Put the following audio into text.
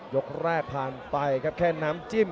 ยกแรกผ่านไปครับแค่น้ำจิ้ม